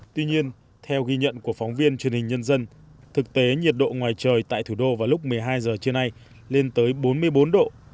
tuy nhiên theo ghi nhận của phóng viên truyền hình nhân dân thực tế nhiệt độ ngoài trời tại thủ đô vào lúc một mươi hai giờ trưa nay lên tới bốn mươi bốn độ